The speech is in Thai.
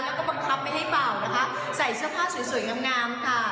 แล้วก็บังคับไม่ให้เบานะคะใส่เสื้อผ้าสวยงามค่ะ